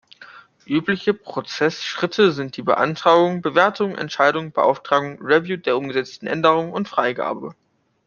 Übliche Prozessschritte sind die Beantragung, Bewertung, Entscheidung, Beauftragung, Review der umgesetzten Änderungen und Freigabe.